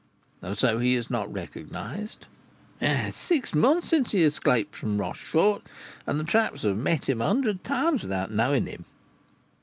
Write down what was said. "And so he is not recognised?" "It is six months since he escaped from Rochefort, and the 'traps' have met him a hundred times without knowing him."